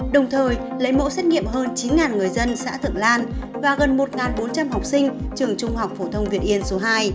đồng thời lấy mẫu xét nghiệm hơn chín người dân xã thượng lan và gần một bốn trăm linh học sinh trường trung học phổ thông việt yên số hai